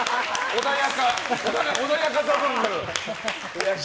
穏やか。